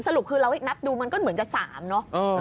สรุปคือเรานับดูมันก็เหมือนจะ๓เนอะ